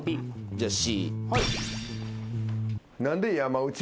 じゃあＣ。